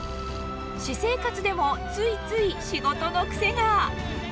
私生活でもついつい仕事の癖が。